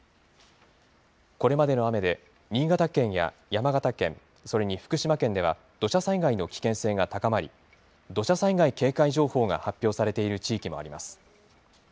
これまでの雨で、新潟県や山形県、それに福島県では、土砂災害の危険性が高まり、土砂災害警戒情報が発表されている地域もあります。